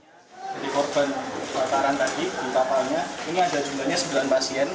korban kebakaran tadi di kapalnya ini ada jumlahnya sembilan pasien